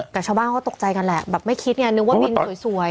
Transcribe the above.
แต่ชาวบ้านเขาตกใจกันแหละแบบไม่คิดไงนึกว่าวินสวย